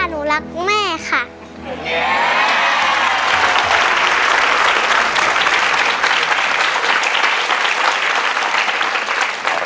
หนูรักคุณแม่ค้า